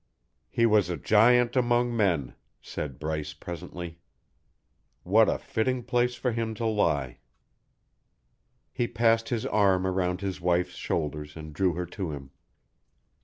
"He was a giant among men," said Bryce presently. "What a fitting place for him to lie!" He passed his arm around his wife's shoulders and drew her to him.